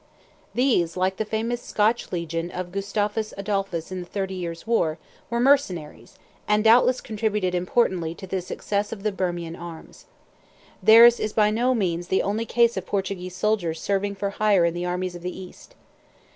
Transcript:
These, like the famous Scotch Legion of Gustavus Adolphus in the Thirty Years' War, were mercenaries, and doubtless contributed importantly to the success of the Birman arms. Theirs is by no means the only case of Portuguese soldiers serving for hire in the armies of the East.